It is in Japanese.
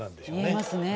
見えますね